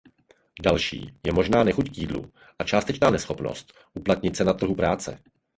Další je možná nechuť k jídlu a částečná neschopnost uplatnit se na trhu práce.